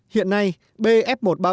hãy đăng ký kênh để nhận thông tin nhất